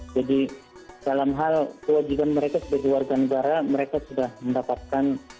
jadi dalam hal kewajiban mereka sebagai warga negara mereka sudah mendapatkan